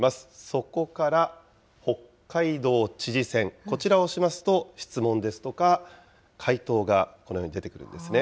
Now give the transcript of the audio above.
そこから北海道知事選、こちらを押しますと、質問ですとか回答が、このように出てくるんですね。